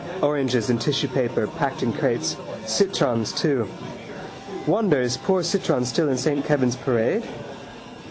Oranges in tissue paper packed in crates. Citrons too. Wonder is poor Citron still in Saint Kevin's parade.